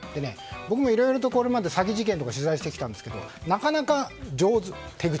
僕もいろいろと、これまで詐欺事件とか取材してきたんですけど手口がなかなか上手。